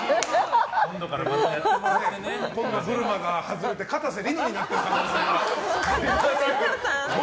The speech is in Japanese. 紺野ぶるまが外れてかたせ梨乃になってる可能性が。